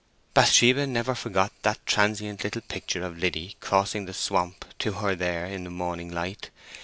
Bathsheba never forgot that transient little picture of Liddy crossing the swamp to her there in the morning light.